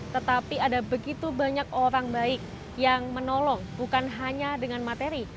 tetapi ada begitu banyak orang baik yang menolong bukan hanya dengan materi